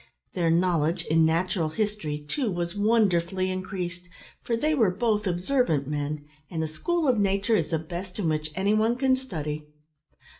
Their knowledge in natural history, too, was wonderfully increased, for they were both observant men, and the school of nature is the best in which any one can study.